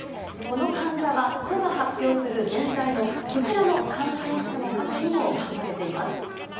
この患者は、都が発表する、全体のこちらの感染者の数にも含まれています。